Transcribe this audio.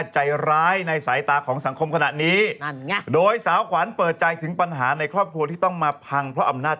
เจอกระแสทะลุมหนักมากตอนนี้นะ